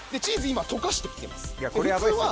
今溶かしてます。